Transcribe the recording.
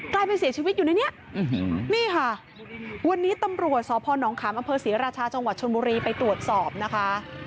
กลายเป็นเสียชีวิตอยู่ในนี้นี่ค่ะวันนี้ตำรวจสพนขามอำเภอศรีราชาจังหวัดชนบุรีไปตรวจสอบนะคะ